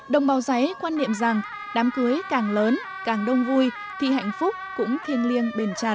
đồng bào giấy quan niệm rằng đám cưới càng lớn càng đông vui thì hạnh phúc cũng thiêng liêng bền chặt